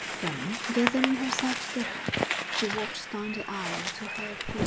Then, gathering herself together, she walked down the aisle to her pew.